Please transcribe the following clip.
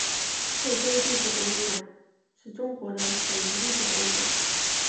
贵州地质博物馆是中国的省级地质博物馆。